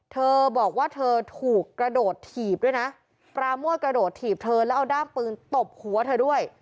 เธอบอกว่าเธอถูกกระโดดถีบด้วยนะปราโมดกระโดดถีบเธอแล้วเอาด้ามปืนตบหัวเธอด้วย